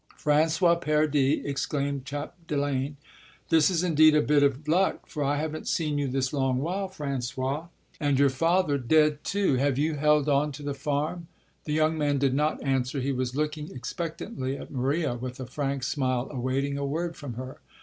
"François Paradis!" exclaimed Chapdelaine. "This is indeed a bit of luck, for I haven't seen you this long while, François. And your father dead too. Have you held on to the farm?" The young man did not answer; he was looking expectantly at Maria with a frank smile, awaiting a word from her.